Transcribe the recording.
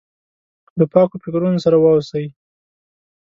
له پاکو فکرونو سره واوسي.